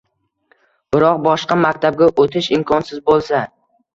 Biroq boshqa maktabga o‘tish imkonsiz bo‘lsa